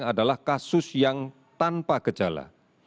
adalah kasus yang tanpa gejala